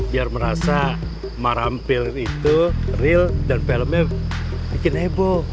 biar merasa marampil itu real dan filmnya bikin heboh